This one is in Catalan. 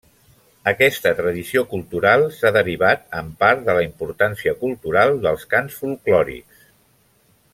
Aquesta tradició cultural s'ha derivat, en part, de la importància cultural dels cants folklòrics.